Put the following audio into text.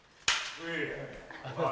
おい。